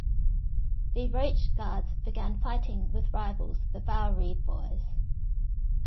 The Roach Guards began fighting with rivals the Bowery Boys.